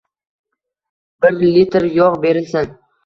Bir litr yog' berilsin.